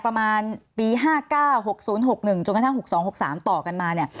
ประมาณปี๕๙๖๐๖๑จนกระทั่ง๖๒๖๓ต่อกันมาเนี่ย